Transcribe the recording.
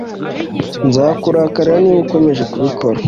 Nzakurakarira niba ukomeje kubikora